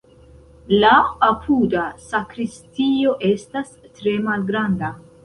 La apuda sakristio estas tre malgranda.